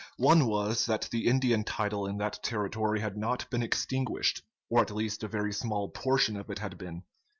One was that the Indian title in that territory had not been extinguished, or at least a very small portion of it had been.